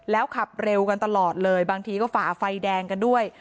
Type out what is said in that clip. แล้วขับเร็วกันตลอดเลยบางทีก็ฝ่าไฟแดงกันด้วย